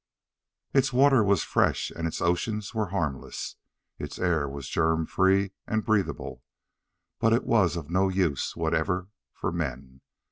Its water was fresh and its oceans were harmless. Its air was germ free and breathable. But it was of no use whatever for men.